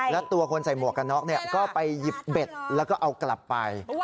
แล้วตัวคนใส่หมวกกันน็อกก็ไปหยิบเบ็ดแล้วก็เอากลับไป